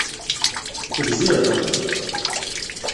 Tegziḍ?